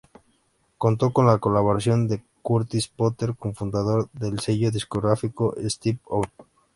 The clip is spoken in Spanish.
Contó con la colaboración de Curtis Potter, cofundador del sello discográfico Step One.